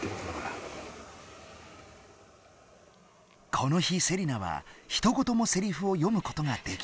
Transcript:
この日セリナはひと言もセリフを読むことができなかった。